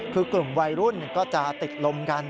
คือกลุ่มวัยรุ่นก็จะติดลมกัน